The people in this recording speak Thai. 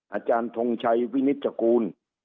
อาจารย์ทงชัยวินิจกูล